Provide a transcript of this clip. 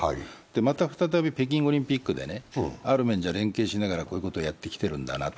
また再び北京オリンピックで、ある面じゃ連携しながらこういうことをやってきているんだなと。